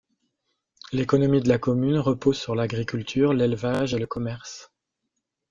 L'économie de la commune repose sur l'agriculture, l'élevage et le commerce.